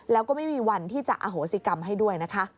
แล้วก็ไม่มีวันที่จะอโหสิกรรมให้ด้วยนะคะ